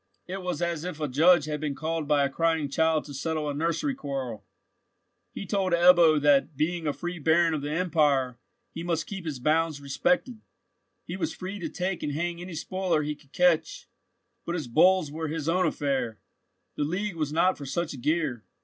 It was as if a judge had been called by a crying child to settle a nursery quarrel. He told Ebbo that, being a free Baron of the empire, he must keep his bounds respected; he was free to take and hang any spoiler he could catch, but his bulls were his own affair: the League was not for such gear.